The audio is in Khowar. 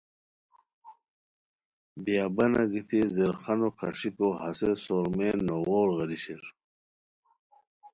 بیابانہ گیتی زیرخانو کھاݰیکو ہسے سورمین نوغٔور غیری شیر